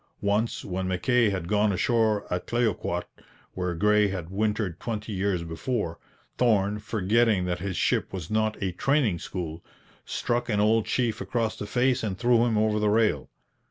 Once when Mackay had gone ashore at Clayoquot, where Gray had wintered twenty years before, Thorn, forgetting that his ship was not a training school, struck an old chief across the face and threw him over the rail.